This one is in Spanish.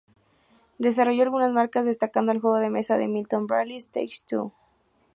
Desarrolló algunas marcas, destacando el juego de mesa de Milton Bradley, Stage Two.